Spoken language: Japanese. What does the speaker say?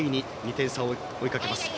２点差を追いかけます。